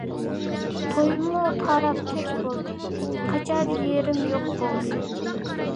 تويمۇ تاراپ كەچ بولدى، قاچار يېرىم يوق بولدى.